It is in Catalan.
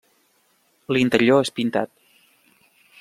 L'interior és pintat.